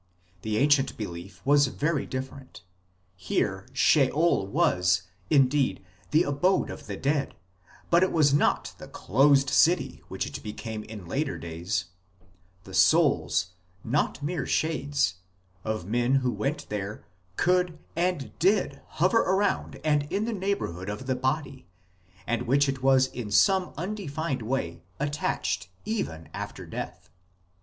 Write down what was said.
The ancient belief was v^ery different ; here Sheol was, indeed, the abode of the dead, but it was not the closed city which it became in later days ; the souls, not mere shades, of men who went there could and did hover around and in the neighbourhood of the body, with which it was in some undefined way attached even after death.